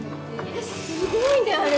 えっすごいねあれ。